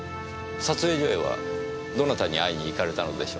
撮影所へはどなたに会いに行かれたのでしょう？